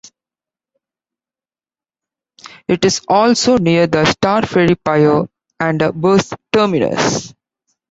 It is also near the Star Ferry Pier and a bus terminus.